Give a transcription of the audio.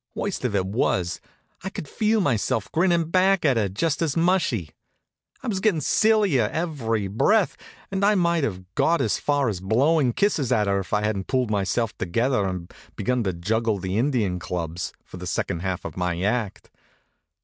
Worst of it was, I could feel myself grinnin' back at her just as mushy. I was gettin' sillier every breath, and I might have got as far as blowin' kisses at her if I hadn't pulled myself together and begun to juggle the Indian clubs, for the second half of my act.